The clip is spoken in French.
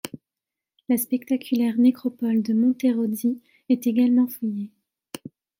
La spectaculaire nécropole de Monterozzi est également fouillée.